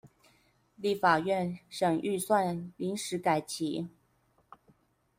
立法院審預算臨時改期